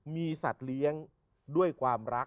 มีสัตว์เลี้ยงด้วยความรัก